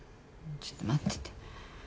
ちょっと待ってて。